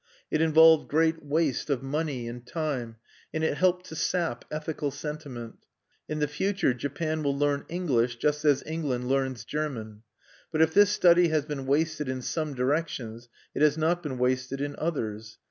It involved great waste of money and time, and it helped to sap ethical sentiment. In the future Japan will learn English, just as England learns German. But if this study has been wasted in some directions, it has not been wasted in others.